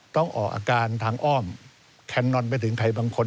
ต้องออกอาการทางอ้อมแคนนอนไปถึงใครบางคน